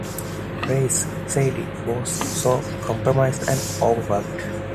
Reiss said It was so compromised and overworked.